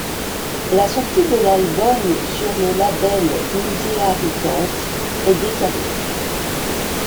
La sortie de l'album sur le label Muséa Records est décalée.